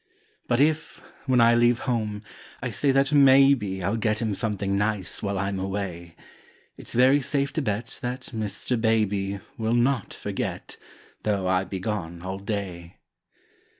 But if, when I leave home, I say that maybe I'll get him something nice while I'm away, It's very safe to bet that Mr. Baby Will not forget, though I be gone all day.